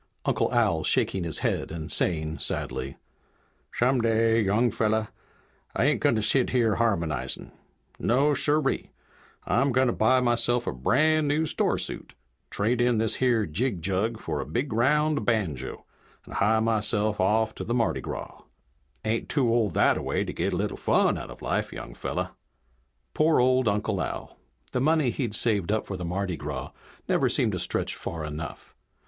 Uncle Al shaking his head and saying sadly, "Some day, young fella, I ain't gonna sit here harmonizing. No siree! I'm gonna buy myself a brand new store suit, trade in this here jig jug for a big round banjo, and hie myself off to the Mardi Gras. Ain't too old thataway to git a little fun out of life, young fella!" Poor old Uncle Al. The money he'd saved up for the Mardi Gras never seemed to stretch far enough.